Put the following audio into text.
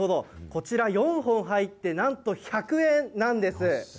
こちら４本入って、なんと１００円なんです。